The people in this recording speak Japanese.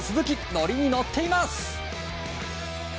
乗りに乗っています！